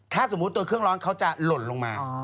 ถ้าสมมุติตัวเครื่องร้อนเขาจะหล่นลงมา